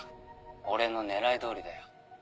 俺の狙い通りだよ。